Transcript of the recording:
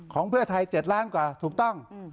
เพื่อไทย๗ล้านกว่าถูกต้อง